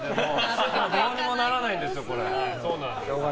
どうにもならないんですよ。